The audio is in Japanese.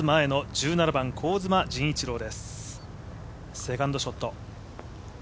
セカンドショット。